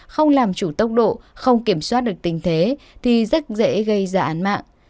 không làm chủ tốc độ không kiểm soát được tình thế thì rất dễ gây ra án mạng